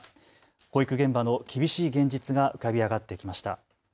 保育現場の厳しい現実が浮かび上がってきました。